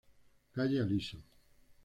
Calle Aliso.